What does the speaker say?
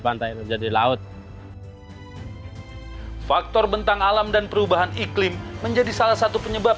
pantai itu menjadi laut faktor bentang alam dan perubahan iklim menjadi salah satu penyebab